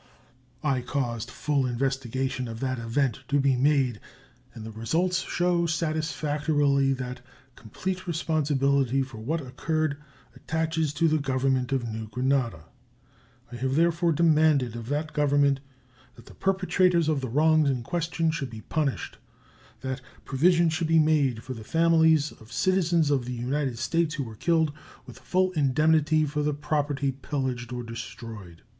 I caused full investigation of that event to be made, and the result shows satisfactorily that complete responsibility for what occurred attaches to the Government of New Granada. I have therefore demanded of that Government that the perpetrators of the wrongs in question should be punished; that provision should be made for the families of citizens of the United States who were killed, with full indemnity for the property pillaged or destroyed.